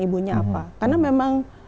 ibunya apa karena memang